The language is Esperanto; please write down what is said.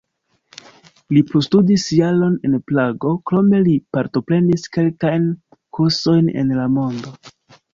Li plustudis jaron en Prago, krome li partoprenis kelkajn kursojn en la mondo.